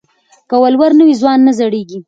که ولور نه وي نو ځوان نه زړیږي.